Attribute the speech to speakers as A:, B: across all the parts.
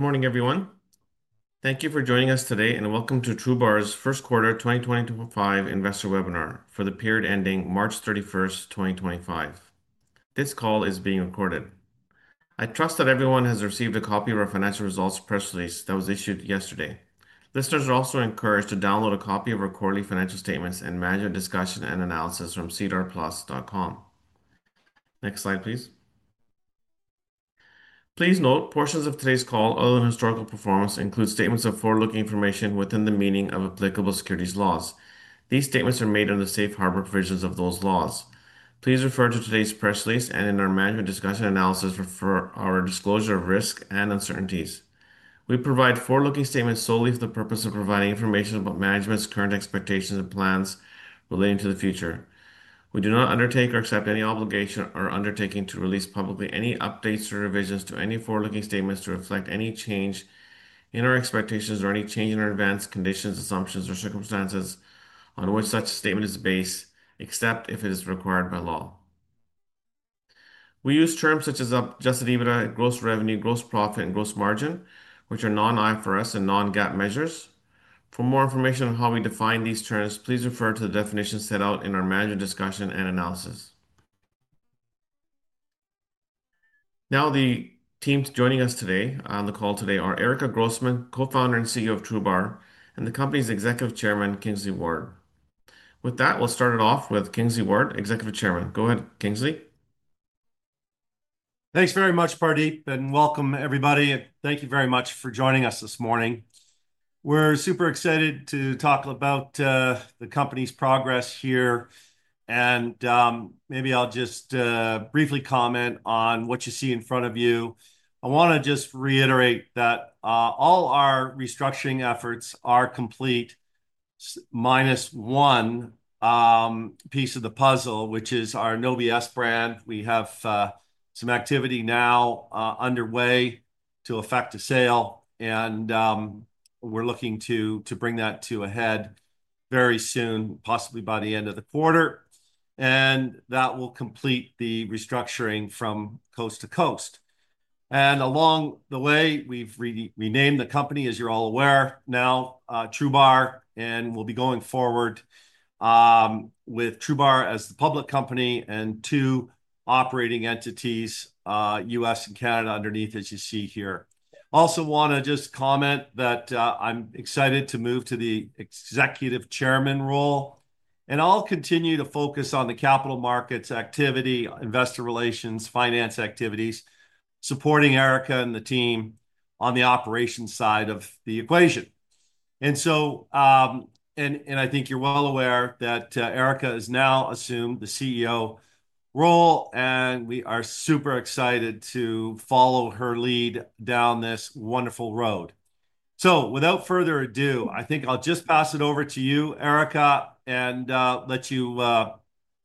A: Good morning, everyone. Thank you for joining us today, and welcome to TRUBAR's First Quarter 2025 Investor Webinar for the period ending March 31, 2025. This call is being recorded. I trust that everyone has received a copy of our financial results press release that was issued yesterday. Listeners are also encouraged to download a copy of our quarterly financial statements and management discussion and analysis from cedarplus.com. Next slide, please. Please note, portions of today's call, other than historical performance, include statements of forward-looking information within the meaning of applicable securities laws. These statements are made under the safe harbor provisions of those laws. Please refer to today's press release and in our management discussion and analysis for our disclosure of risk and uncertainties. We provide forward-looking statements solely for the purpose of providing information about management's current expectations and plans relating to the future. We do not undertake or accept any obligation or undertaking to release publicly any updates or revisions to any forward-looking statements to reflect any change in our expectations or any change in our advanced conditions, assumptions, or circumstances on which such a statement is based, except if it is required by law. We use terms such as adjusted EBITDA, gross revenue, gross profit, and gross margin, which are non-IFRS and non-GAAP measures. For more information on how we define these terms, please refer to the definition set out in our management discussion and analysis. Now, the teams joining us today on the call today are Erica Groussman, Co-founder and CEO of TRUBAR, and the company's Executive Chairman, Kingsley Ward. With that, we'll start it off with Kingsley Ward, Executive Chairman. Go ahead, Kingsley.
B: Thanks very much, Pradeep, and welcome, everybody. Thank you very much for joining us this morning. We're super excited to talk about the company's progress here. Maybe I'll just briefly comment on what you see in front of you. I want to just reiterate that all our restructuring efforts are complete minus one piece of the puzzle, which is our NOBS brand. We have some activity now underway to effect a sale, and we're looking to bring that to a head very soon, possibly by the end of the quarter. That will complete the restructuring from coast to coast. Along the way, we've renamed the company, as you're all aware, now TRUBAR, and we'll be going forward with TRUBAR as the public company and two operating entities, U.S. and Canada, underneath, as you see here. Also want to just comment that I'm excited to move to the Executive Chairman role. I'll continue to focus on the capital markets activity, investor relations, finance activities, supporting Erica and the team on the operations side of the equation. I think you're well aware that Erica has now assumed the CEO role, and we are super excited to follow her lead down this wonderful road. Without further ado, I think I'll just pass it over to you, Erica, and let you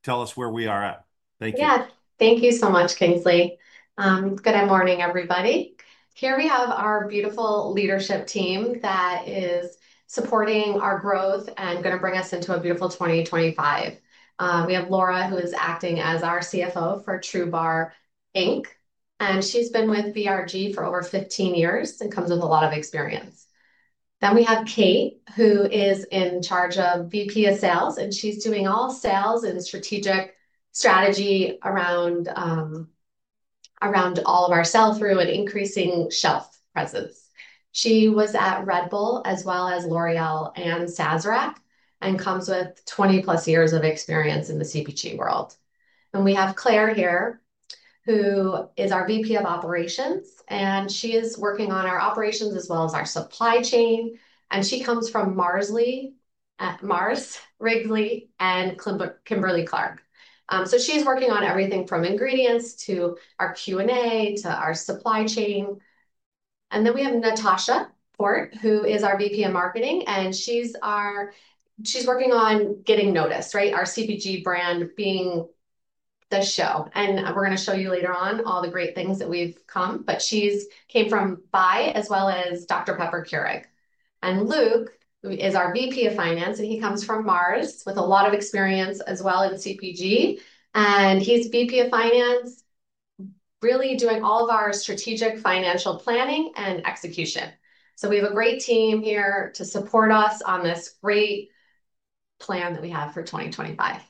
B: tell us where we are at. Thank you.
C: Yeah. Thank you so much, Kingsley. Good morning, everybody. Here we have our beautiful leadership team that is supporting our growth and going to bring us into a beautiful 2025. We have Laura, who is acting as our CFO for TRUBAR, and she's been with BRG for over 15 years and comes with a lot of experience. We have Kate, who is in charge of VP of Sales, and she's doing all sales and strategic strategy around all of our sell-through and increasing shelf presence. She was at Red Bull as well as L'Oreal and Sazerac and comes with 20-plus years of experience in the CPG world. We have Claire here, who is our VP of Operations, and she is working on our operations as well as our supply chain. She comes from Mars Wrigley and Kimberly-Clark. She is working on everything from ingredients to our Q&A to our supply chain. We have Natasha Port, who is our VP of Marketing, and she is working on getting noticed, right, our CPG brand being the show. We are going to show you later on all the great things that have come. She came from Buy as well as Dr Pepper Keurig. Luke, who is our VP of Finance, comes from Mars with a lot of experience as well in CPG. He is VP of Finance, really doing all of our strategic financial planning and execution. We have a great team here to support us on this great plan that we have for 2025.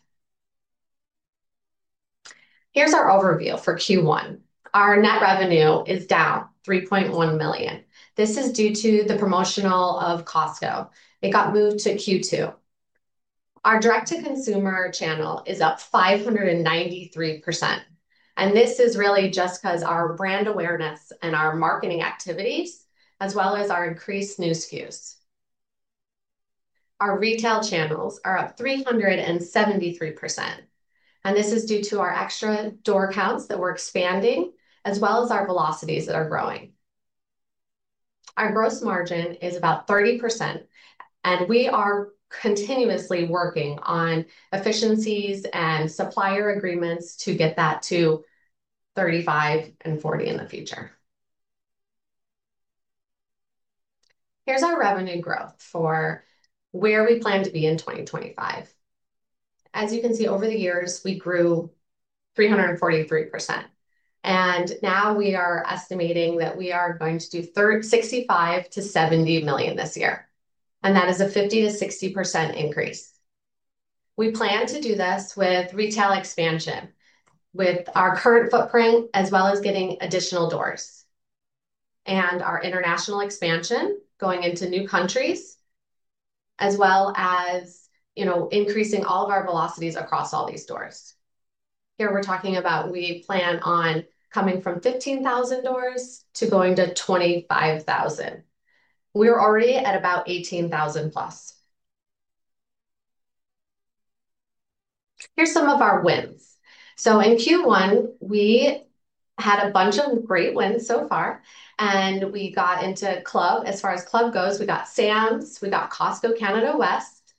C: Here is our overview for Q1. Our net revenue is down $3.1 million. This is due to the promotional of Costco. It got moved to Q2. Our direct-to-consumer channel is up 593%. This is really just because of our brand awareness and our marketing activities, as well as our increased new skews. Our retail channels are up 373%. This is due to our extra door counts that we're expanding, as well as our velocities that are growing. Our gross margin is about 30%, and we are continuously working on efficiencies and supplier agreements to get that to 35-40% in the future. Here is our revenue growth for where we plan to be in 2025. As you can see, over the years, we grew 343%. We are estimating that we are going to do $65-70 million this year. That is a 50-60% increase. We plan to do this with retail expansion, with our current footprint, as well as getting additional doors. Our international expansion is going into new countries, as well as increasing all of our velocities across all these doors. Here, we're talking about we plan on coming from 15,000 doors to going to 25,000. We're already at about 18,000 plus. Here are some of our wins. In Q1, we had a bunch of great wins so far. We got into club. As far as club goes, we got Sam's, we got Costco Canada West.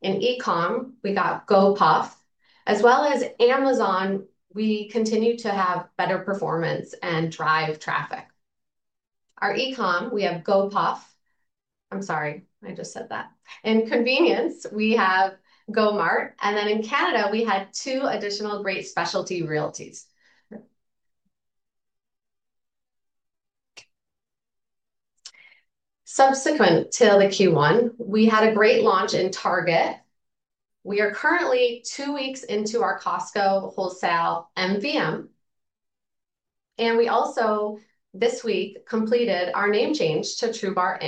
C: In e-comm, we got GoPuff. As well as Amazon, we continue to have better performance and drive traffic. Our e-comm, we have GoPuff. I'm sorry, I just said that. In convenience, we have GoMart. In Canada, we had two additional great specialty realities. Subsequent to Q1, we had a great launch in Target. We are currently two weeks into our Costco wholesale MVM. We also, this week, completed our name change to TRUBAR.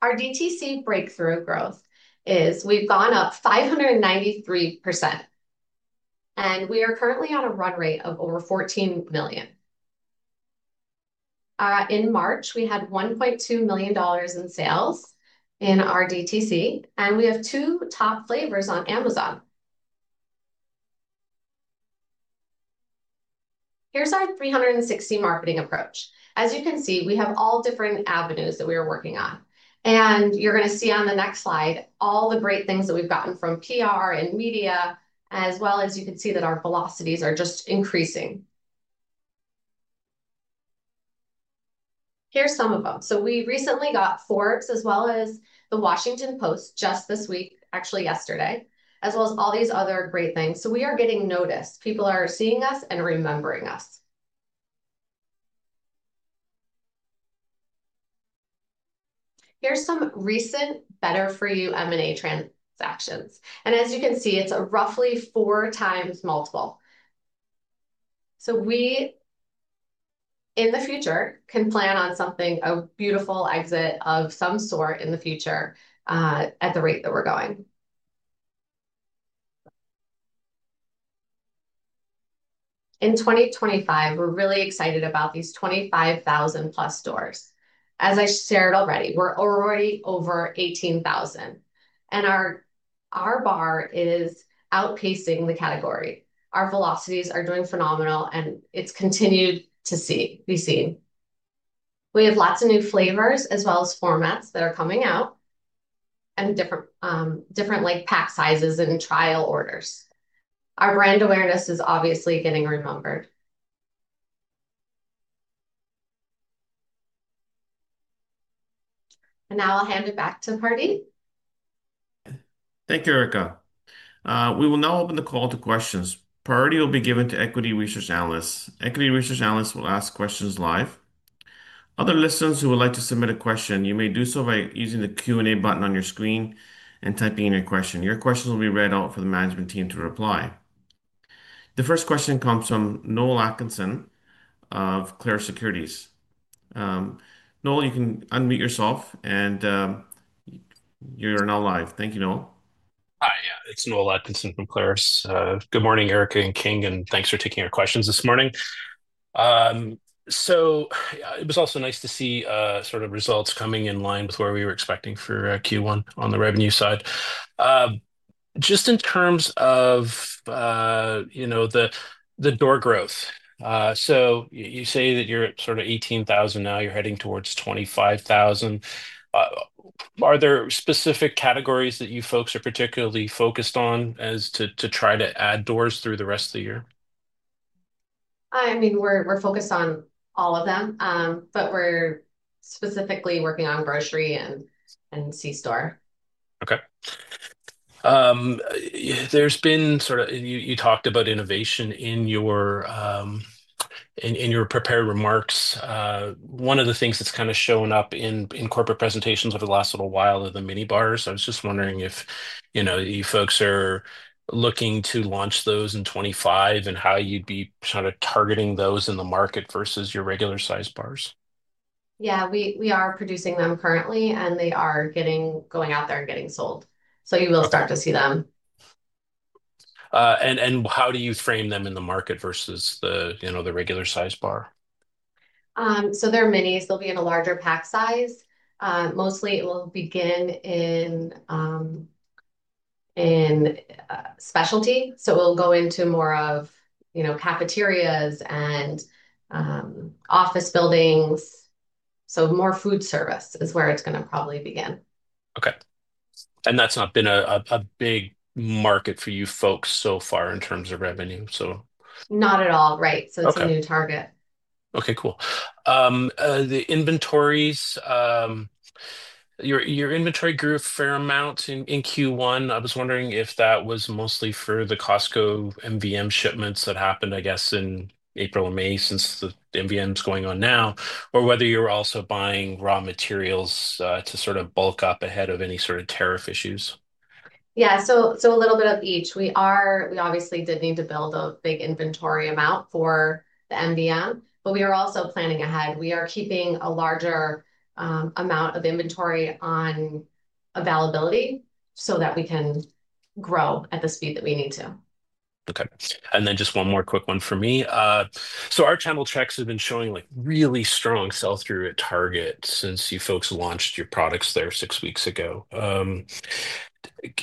C: Our DTC breakthrough growth is we've gone up 593%. We are currently on a run rate of over $14 million. In March, we had $1.2 million in sales in our DTC. We have two top flavors on Amazon. Here is our 360 marketing approach. As you can see, we have all different avenues that we are working on. You are going to see on the next slide all the great things that we've gotten from PR and media, as well as you can see that our velocities are just increasing. Here are some of them. We recently got Forbes as well as The Washington Post just this week, actually yesterday, as well as all these other great things. We are getting noticed. People are seeing us and remembering us. Here are some recent better-for-you M&A transactions. As you can see, it's a roughly four times multiple. We, in the future, can plan on something, a beautiful exit of some sort in the future at the rate that we're going. In 2025, we're really excited about these 25,000-plus stores. As I shared already, we're already over 18,000. Our bar is outpacing the category. Our velocities are doing phenomenal, and it's continued to be seen. We have lots of new flavors as well as formats that are coming out and different pack sizes and trial orders. Our brand awareness is obviously getting remembered. Now I'll hand it back to Pradeep.
A: Thank you, Erica. We will now open the call to questions. Priority will be given to equity research analysts. Equity research analysts will ask questions live. Other listeners who would like to submit a question, you may do so by using the Q&A button on your screen and typing in your question. Your questions will be read out for the management team to reply. The first question comes from Noel Atkinson of Clarus Securities. Noel, you can unmute yourself, and you're now live. Thank you, Noel.
D: Hi, yeah, it's Noel Atkinson from Clarus. Good morning, Erica and King, and thanks for taking our questions this morning. It was also nice to see sort of results coming in line with where we were expecting for Q1 on the revenue side. Just in terms of the door growth, you say that you're at sort of 18,000 now, you're heading towards 25,000. Are there specific categories that you folks are particularly focused on as to try to add doors through the rest of the year?
C: I mean, we're focused on all of them, but we're specifically working on grocery and C-store.
D: Okay. There's been sort of, and you talked about innovation in your prepared remarks. One of the things that's kind of shown up in corporate presentations over the last little while are the mini bars. I was just wondering if you folks are looking to launch those in 2025 and how you'd be sort of targeting those in the market versus your regular-sized bars?
C: Yeah, we are producing them currently, and they are going out there and getting sold. You will start to see them.
D: How do you frame them in the market versus the regular-sized bar?
C: They're minis. They'll be in a larger pack size. Mostly, it will begin in specialty. It will go into more of cafeterias and office buildings. More food service is where it's going to probably begin.
D: Okay. That's not been a big market for you folks so far in terms of revenue.
C: Not at all, right? It's a new target.
D: Okay, cool. Your inventory grew a fair amount in Q1. I was wondering if that was mostly for the Costco MVM shipments that happened, I guess, in April or May since the MVM's going on now, or whether you're also buying raw materials to sort of bulk up ahead of any sort of tariff issues.
C: Yeah, so a little bit of each. We obviously did need to build a big inventory amount for the MVM, but we are also planning ahead. We are keeping a larger amount of inventory on availability so that we can grow at the speed that we need to.
D: Okay. And then just one more quick one for me. Our channel checks have been showing really strong sell-through at Target since you folks launched your products there six weeks ago.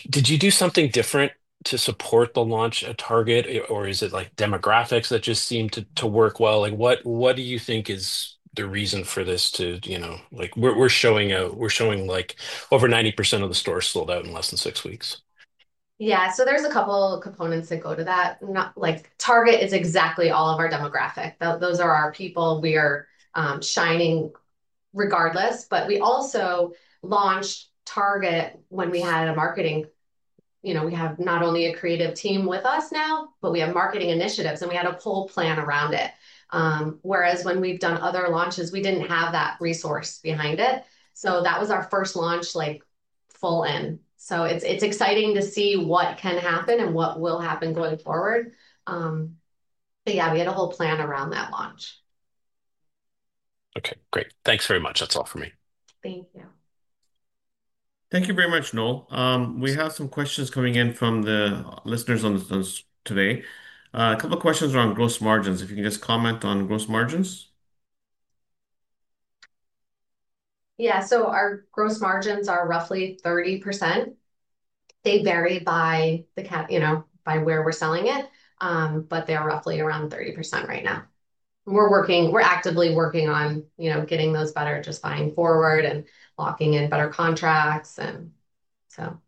D: Did you do something different to support the launch at Target, or is it demographics that just seem to work well? What do you think is the reason for this? We are showing over 90% of the stores sold out in less than six weeks.
C: Yeah, so there's a couple of components that go to that. Target is exactly all of our demographic. Those are our people. We are shining regardless. We also launched Target when we had a marketing, we have not only a creative team with us now, but we have marketing initiatives, and we had a whole plan around it. Whereas when we've done other launches, we didn't have that resource behind it. That was our first launch full in. It's exciting to see what can happen and what will happen going forward. Yeah, we had a whole plan around that launch.
D: Okay, great. Thanks very much. That's all for me.
C: Thank you.
A: Thank you very much, Noel. We have some questions coming in from the listeners on today. A couple of questions around gross margins. If you can just comment on gross margins.
C: Yeah, so our gross margins are roughly 30%. They vary by where we're selling it, but they're roughly around 30% right now. We're actively working on getting those better, just buying forward and locking in better contracts, and so.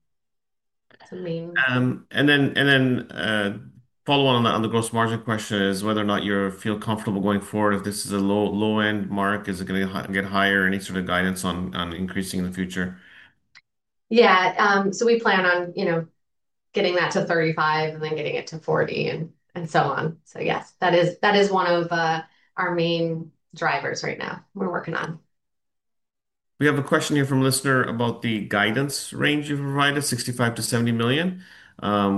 A: The follow-on on the gross margin question is whether or not you feel comfortable going forward if this is a low-end mark. Is it going to get higher? Any sort of guidance on increasing in the future?
C: Yeah. We plan on getting that to 35 and then getting it to 40 and so on. Yes, that is one of our main drivers right now we're working on.
A: We have a question here from a listener about the guidance range you provided, $65 million-$70 million.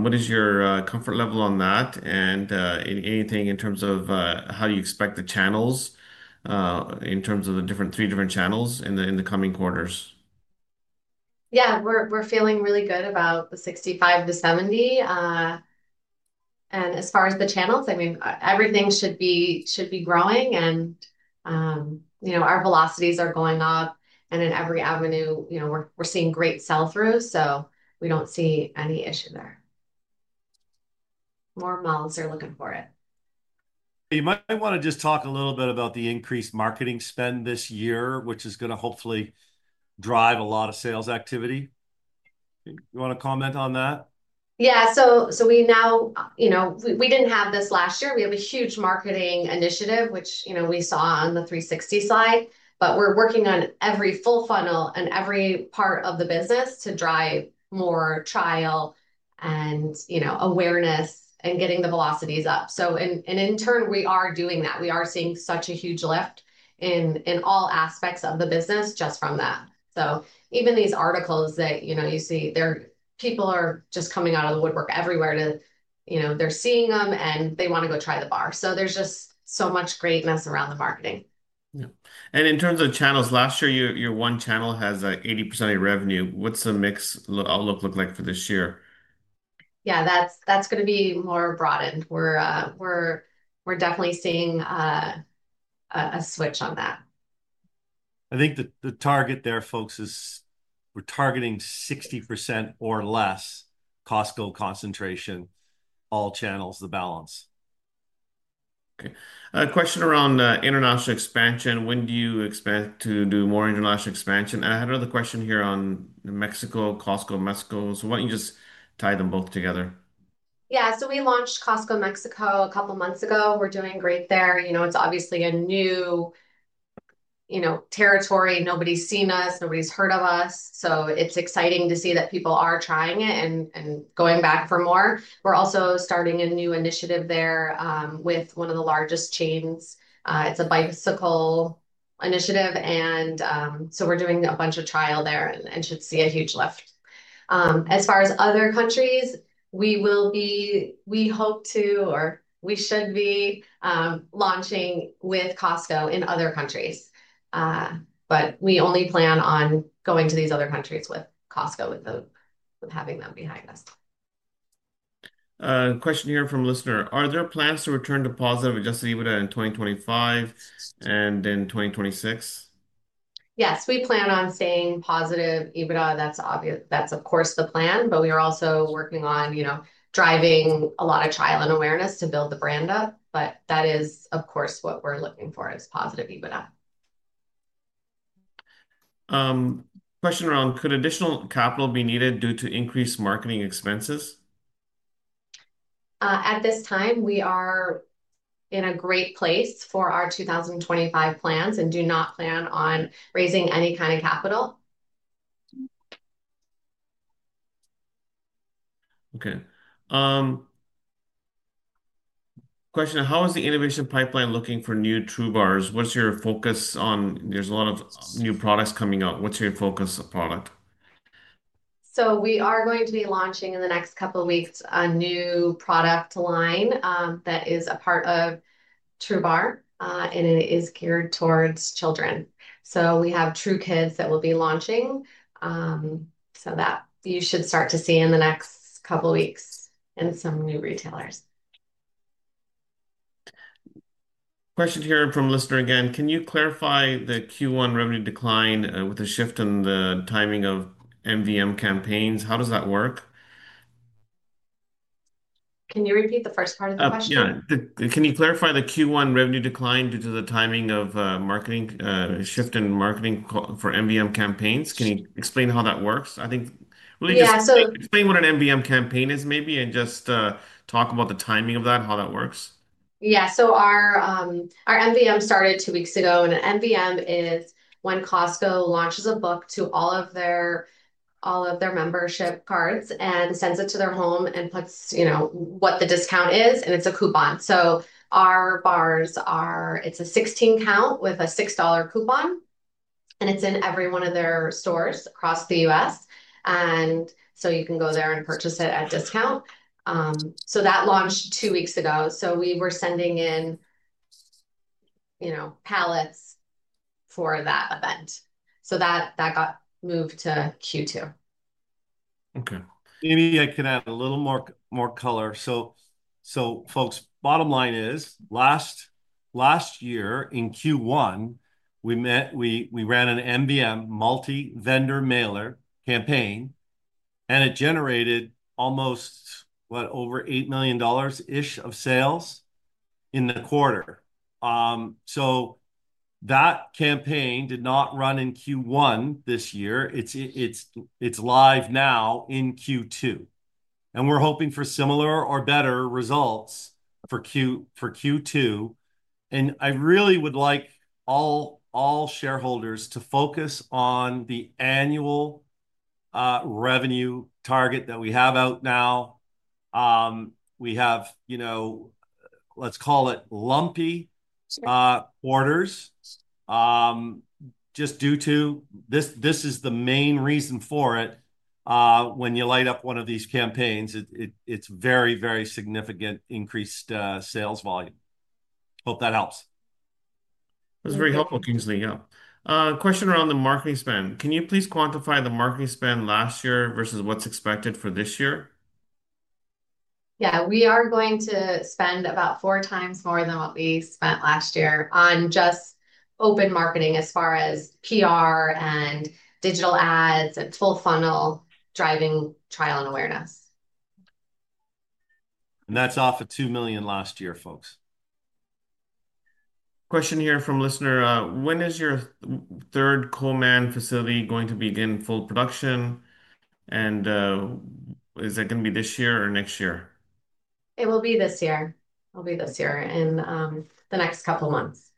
A: What is your comfort level on that? Anything in terms of how you expect the channels in terms of the three different channels in the coming quarters?
C: Yeah, we're feeling really good about the 65-70. As far as the channels, I mean, everything should be growing. Our velocities are going up. In every avenue, we're seeing great sell-through. We don't see any issue there. More mouths are looking for it.
A: You might want to just talk a little bit about the increased marketing spend this year, which is going to hopefully drive a lot of sales activity. You want to comment on that?
C: Yeah. So we did not have this last year. We have a huge marketing initiative, which we saw on the 360 slide. We are working on every full funnel and every part of the business to drive more trial and awareness and getting the velocities up. In turn, we are doing that. We are seeing such a huge lift in all aspects of the business just from that. Even these articles that you see, people are just coming out of the woodwork everywhere. They are seeing them, and they want to go try the bar. There is just so much greatness around the marketing.
A: In terms of channels, last year, your one channel has 80% of your revenue. What's the mix outlook look like for this year?
C: Yeah, that's going to be more broadened. We're definitely seeing a switch on that.
A: I think the target there, folks, is we're targeting 60% or less Costco concentration, all channels, the balance. Okay. A question around international expansion. When do you expect to do more international expansion? I had another question here on Mexico, Costco, Mexico. Why don't you just tie them both together?
C: Yeah. We launched Costco, Mexico a couple of months ago. We're doing great there. It's obviously a new territory. Nobody's seen us. Nobody's heard of us. It's exciting to see that people are trying it and going back for more. We're also starting a new initiative there with one of the largest chains. It's a bicycle initiative. We're doing a bunch of trial there and should see a huge lift. As far as other countries, we hope to, or we should be launching with Costco in other countries. We only plan on going to these other countries with Costco, with having them behind us.
A: Question here from a listener. Are there plans to return to positive adjusted EBITDA in 2025 and in 2026?
C: Yes, we plan on staying positive EBITDA. That is, of course, the plan. We are also working on driving a lot of trial and awareness to build the brand up. That is, of course, what we're looking for is positive EBITDA.
A: Question around, could additional capital be needed due to increased marketing expenses?
C: At this time, we are in a great place for our 2025 plans and do not plan on raising any kind of capital.
A: Okay. Question, how is the innovation pipeline looking for new TRUBARs? What's your focus on? There's a lot of new products coming out. What's your focus of product?
C: We are going to be launching in the next couple of weeks a new product line that is a part of TrueBar, and it is geared towards children. We have TrueKids that we will be launching. You should start to see in the next couple of weeks and some new retailers.
A: Question here from a listener again. Can you clarify the Q1 revenue decline with a shift in the timing of MVM campaigns? How does that work?
C: Can you repeat the first part of the question?
A: Yeah. Can you clarify the Q1 revenue decline due to the timing of shift in marketing for MVM campaigns? Can you explain how that works? I think really just explain what an MVM campaign is maybe and just talk about the timing of that, how that works.
C: Yeah. Our MVM started two weeks ago. An MVM is when Costco launches a book to all of their membership cards and sends it to their home and puts what the discount is, and it's a coupon. Our bars, it's a 16-count with a $6 coupon. It's in every one of their stores across the U.S. You can go there and purchase it at discount. That launched two weeks ago. We were sending in pallets for that event. That got moved to Q2.
B: Okay. Maybe I can add a little more color. So folks, bottom line is last year in Q1, we ran an MVM multi-vendor mailer campaign, and it generated almost, what, over $8 million-ish of sales in the quarter. That campaign did not run in Q1 this year. It's live now in Q2. We're hoping for similar or better results for Q2. I really would like all shareholders to focus on the annual revenue target that we have out now. We have, let's call it, lumpy orders just due to this is the main reason for it. When you light up one of these campaigns, it's very, very significant increased sales volume. Hope that helps.
A: That's very helpful, Kingsley. Yeah. Question around the marketing spend. Can you please quantify the marketing spend last year versus what's expected for this year?
C: Yeah. We are going to spend about four times more than what we spent last year on just open marketing as far as PR and digital ads and full funnel driving trial and awareness.
A: That's off of two million dollars last year, folks. Question here from a listener. When is your third Coleman facility going to begin full production? And is that going to be this year or next year?
C: It will be this year. It'll be this year in the next couple of months.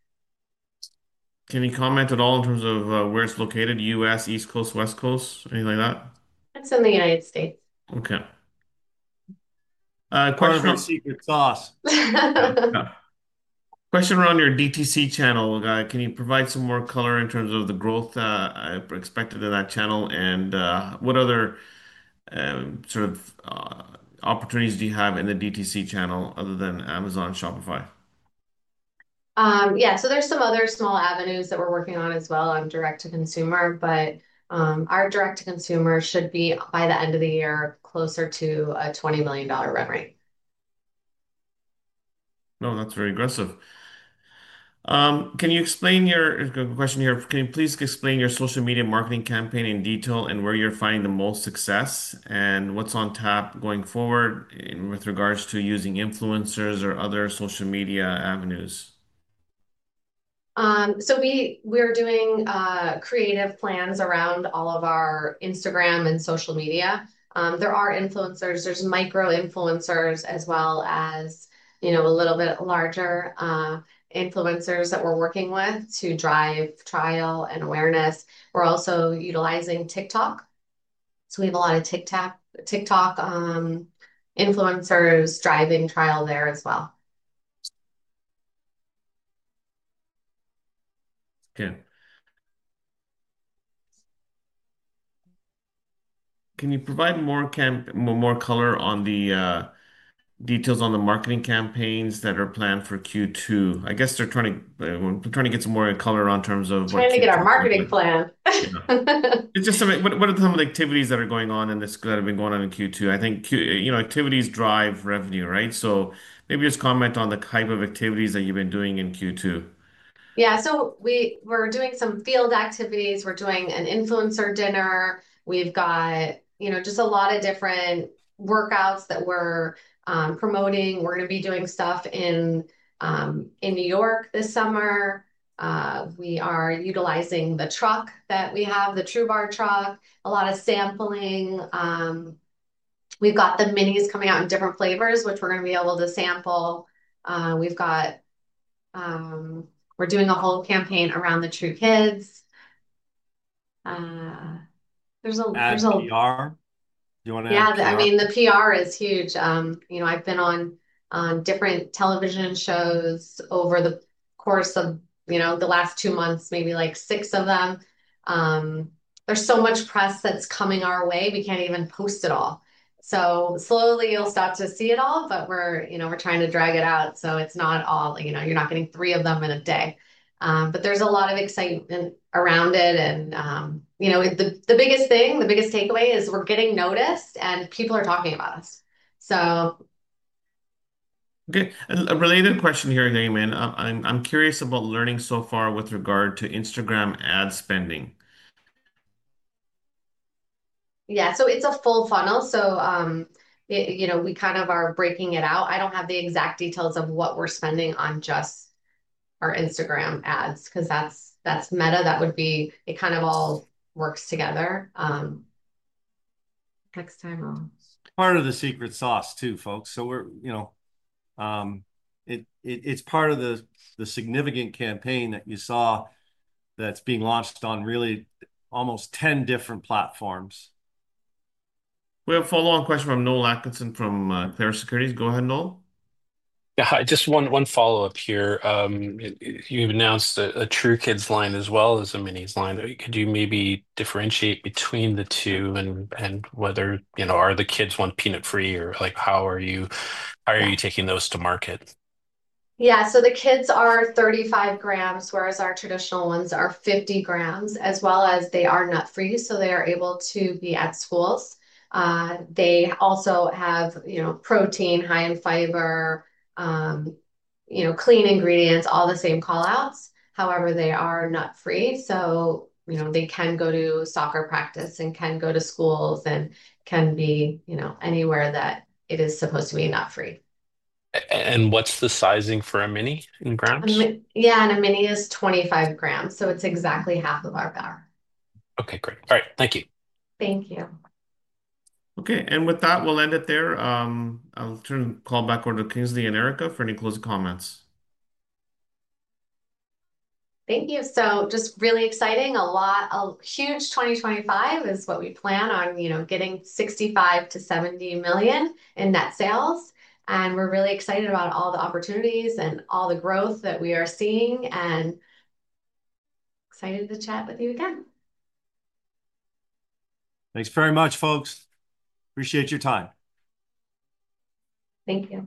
A: Can you comment at all in terms of where it's located? U.S., East Coast, West Coast, anything like that?
C: It's in the United States.
A: Okay. Question around your DTC channel. Can you provide some more color in terms of the growth expected in that channel? What other sort of opportunities do you have in the DTC channel other than Amazon, Shopify?
C: Yeah. So there's some other small avenues that we're working on as well on direct-to-consumer. But our direct-to-consumer should be by the end of the year closer to a $20 million run rate.
A: No, that's very aggressive. Can you explain your question here? Can you please explain your social media marketing campaign in detail and where you're finding the most success and what's on tap going forward with regards to using influencers or other social media avenues?
C: We are doing creative plans around all of our Instagram and social media. There are influencers. There are micro-influencers as well as a little bit larger influencers that we are working with to drive trial and awareness. We are also utilizing TikTok. We have a lot of TikTok influencers driving trial there as well.
A: Okay. Can you provide more color on the details on the marketing campaigns that are planned for Q2? I guess we're trying to get some more color on terms of what's.
C: Trying to get our marketing plan.
A: What are some of the activities that are going on in this that have been going on in Q2? I think activities drive revenue, right? Maybe just comment on the type of activities that you've been doing in Q2.
C: Yeah. So we're doing some field activities. We're doing an influencer dinner. We've got just a lot of different workouts that we're promoting. We're going to be doing stuff in New York this summer. We are utilizing the truck that we have, the TrueBar truck, a lot of sampling. We've got the minis coming out in different flavors, which we're going to be able to sample. We're doing a whole campaign around the TrueKids. There's a.
A: Ads and PR? Do you want to?
C: Yeah. I mean, the PR is huge. I've been on different television shows over the course of the last two months, maybe like six of them. There's so much press that's coming our way. We can't even post it all. Slowly, you'll start to see it all, but we're trying to drag it out. It's not all, you're not getting three of them in a day. There is a lot of excitement around it. The biggest thing, the biggest takeaway is we're getting noticed, and people are talking about us.
A: Okay. A related question here again, I'm curious about learning so far with regard to Instagram ad spending.
C: Yeah. So it's a full funnel. So we kind of are breaking it out. I don't have the exact details of what we're spending on just our Instagram ads because that's Meta. That would be it kind of all works together. Next time, I'll.
B: It's part of the secret sauce too, folks. It is part of the significant campaign that you saw that is being launched on really almost 10 different platforms.
A: We have a follow-on question from Noel Atkinson from Clarus Securities. Go ahead, Noel.
D: Yeah. Just one follow-up here. You've announced a TrueKids line as well as a Minis line. Could you maybe differentiate between the two and whether are the kids one peanut-free or how are you taking those to market?
C: Yeah. The kids are 35 grams, whereas our traditional ones are 50 grams, as well as they are nut-free. They are able to be at schools. They also have protein, high in fiber, clean ingredients, all the same callouts. However, they are nut-free. They can go to soccer practice and can go to schools and can be anywhere that it is supposed to be nut-free.
D: What's the sizing for a mini in grams?
C: Yeah. A mini is 25 grams. It is exactly half of our bar.
D: Okay. Great. All right. Thank you.
C: Thank you.
A: Okay. With that, we'll end it there. I'll turn the call back over to Kingsley and Erica for any closing comments.
C: Thank you. Just really exciting. A huge 2025 is what we plan on, getting $65 million-$70 million in net sales. We're really excited about all the opportunities and all the growth that we are seeing and excited to chat with you again.
B: Thanks very much, folks. Appreciate your time.
C: Thank you.